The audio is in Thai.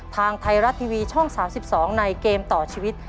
ทางไทยรัฐทีวีช่อง๓๒ในเกมต่อชีวิต